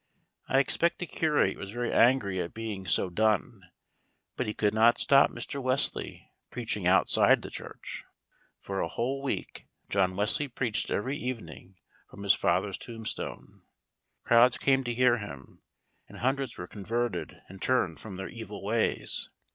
I expect the curate was very angry at being so "done;" but he could not stop Mr. Wesley preaching outside the church. For a whole week John Wesley preached every evening from his father's tombstone. Crowds came to hear him, and hundreds were converted and turned from their evil ways.